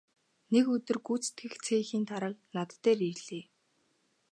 Нэг өдөр гүйцэтгэх цехийн дарга над дээр ирлээ.